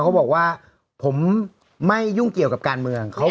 เขาบอกว่าผมไม่ยุ่งเกี่ยวกับการเมือง